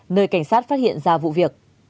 nơi cảnh sát phát hiện ra vụ việc